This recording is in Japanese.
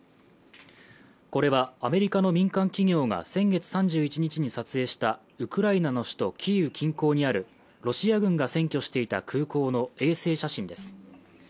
これはアメリカの民間企業が先月３１日に撮影したウクライナの首都キーウ近郊にあるロシア軍が占拠していた空港の衛星写真です。